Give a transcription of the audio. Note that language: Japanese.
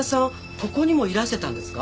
ここにもいらしてたんですか？